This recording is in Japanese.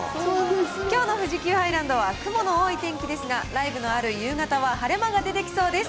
きょうの富士急ハイランドは、雲の多い天気ですが、ライブのある夕方は晴れ間が出てきそうです。